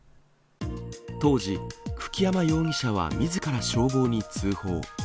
当時、久木山容疑者はみずから消防に通報。